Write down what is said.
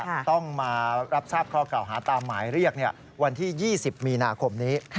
ต้องมารับทราบข้อเก่าหาตามหมายเรียกวันที่๒๐มีนาคมนี้